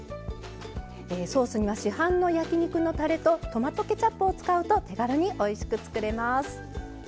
ソースには市販の焼き肉のたれとトマトケチャップを使うと手軽においしく作れます。